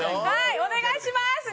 はいお願いします！